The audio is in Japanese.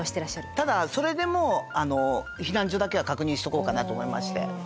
ただそれでも避難所だけは確認しとこうかなと思いまして。